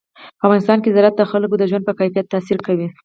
په افغانستان کې زراعت د خلکو د ژوند په کیفیت تاثیر کوي.